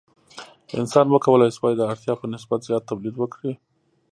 انسان وکولی شوای د اړتیا په نسبت زیات تولید وکړي.